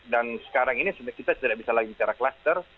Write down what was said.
dan sekarang ini kita tidak bisa lagi bicara cluster